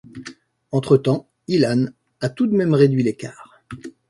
Entre-temps, Ilan a tout de même réduit l'écart.